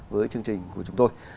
với chương trình của chúng tôi